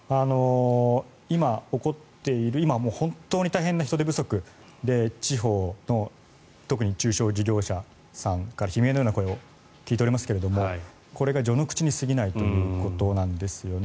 今、起こっている今、本当に大変な人手不足で地方の特に中小事業者さんから悲鳴ような声を聞いておりますけどもこれが序の口に過ぎないということなんですよね。